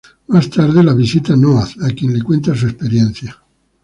Más tarde la visita Noah, a quien le cuenta su experiencia.